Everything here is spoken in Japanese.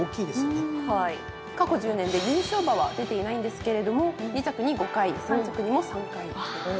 過去１０年で優勝馬は出ていないんですけれども２着に５回３着にも３回です。